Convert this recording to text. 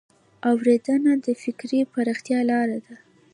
اورېدنه د فکري پراختیا لار ده